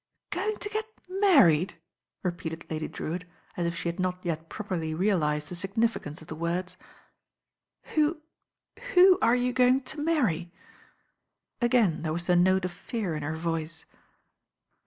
"Going to get married!" repeated Lady Drewitt, as if she had not yet properly realised the significance of the words. "Who — who are you going to marry?" Agiin there was the note of fear in her voice.